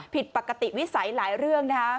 ผิดปกติวิสัยหลายเรื่องนะคะ